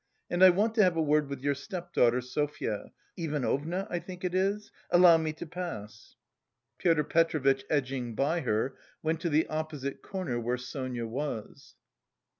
and I want to have a word with your stepdaughter, Sofya... Ivanovna, I think it is? Allow me to pass." Pyotr Petrovitch, edging by her, went to the opposite corner where Sonia was.